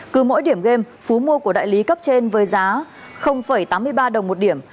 cứ mỗi điểm game phú mua của đại lý cấp trên với giá tám mươi ba đồng một điểm